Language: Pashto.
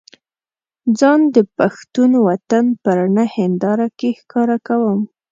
ځان د پښتون وطن په رڼه هينداره کې ښکاره کوم.